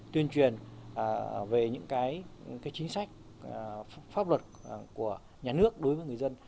tuyên truyền về những chính sách pháp luật của nhà nước đối với người dân